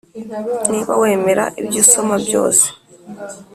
niba wemera ibyo usoma byose,